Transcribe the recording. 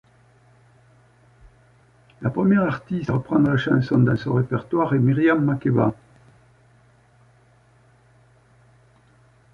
La première artiste à reprendre la chanson dans son répertoire est Miriam Makeba.